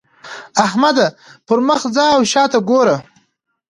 احمده! پر مخ ځه او شا ته ګوره.